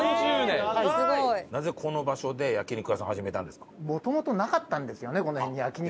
すごい！なぜこの場所で焼肉屋さんを始めたんですか？